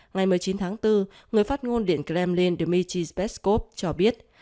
ngày một mươi chín tháng bốn người phát ngôn điện kremlin dmitry peskov cho biết